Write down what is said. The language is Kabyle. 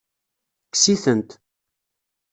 Kkes-itent.